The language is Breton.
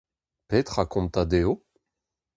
Petra kontañ dezho ?